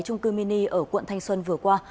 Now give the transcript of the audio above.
trung cư mini ở quận thanh xuân vừa qua